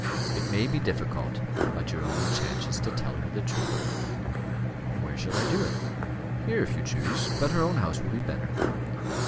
It may be difficult, but your only chance is to tell her the truth." "And where shall I do it?" "Here if you choose; but her own house will be better."